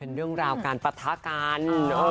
เป็นเรื่องราวการปะทะกัน